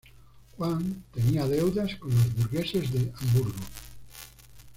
Juan tenía deudas con los burgueses de Hamburgo.